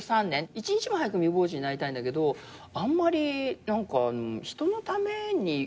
一日も早く未亡人になりたいんだけどあんまり何か人のために生きてないみたい私。